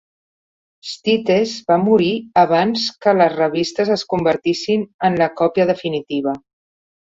Stites va morir abans que les revistes es convertissin en la còpia definitiva.